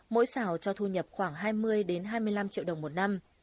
mỗi xảo cho thu nhập khoảng hai mươi đến hai mươi năm triệu đồng một năm